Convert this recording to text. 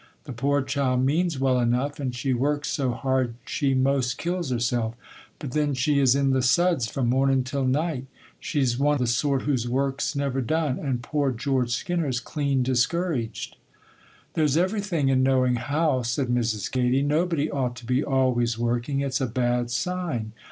The poor child means well enough, and she works so hard she 'most kills herself; but then she is in the suds from mornin' till night,—she's one the sort whose work's never done,—and poor George Skinner's clean discouraged.' 'There's everything in knowing how,' said Mrs. Katy. 'Nobody ought to be always working; it's a bad sign.